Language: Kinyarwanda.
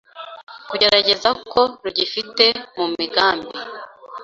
kugaragaza ko rugifite mu migambi